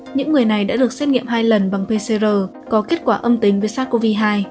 những người này đã được xét nghiệm hai lần bằng pcr có kết quả âm tính với sars cov hai